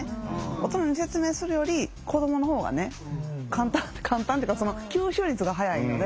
大人に説明するより子どもの方がね簡単というか吸収率が早いので。